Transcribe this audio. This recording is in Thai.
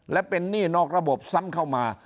และเป็นหนี้นอกระบบซ้ำเข้ามา